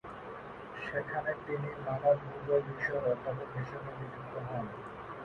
সেখানে তিনি মানব ভূগোল বিষয়ের অধ্যাপক হিসাবে নিযুক্ত হন।